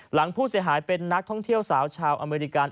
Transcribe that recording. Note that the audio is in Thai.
หลังผู้เสียหายเป็นนักท่องเที่ยวสาวชาวอเมริกา